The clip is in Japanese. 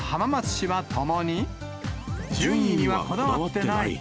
順位にはこだわってない。